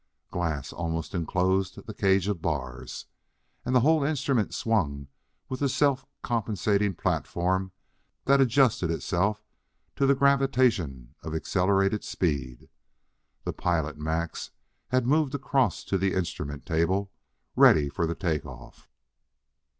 Glass almost enclosed the cage of bars, and the whole instrument swung with the self compensating platform that adjusted itself to the "gravitation" of accelerated speed. The pilot, Max, had moved across to the instrument table, ready for the take off.